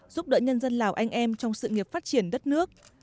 giúp đỡ nhân dân lào anh em trong sự nghiệp phát triển đất nước